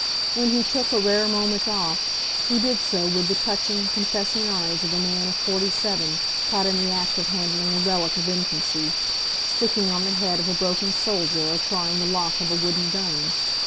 When he took a rare moment "off," he did so with the touching, confessing eyes of a man of forty seven caught in the act of handling a relic of infancy sticking on the head of a broken soldier or trying the lock of a wooden gun.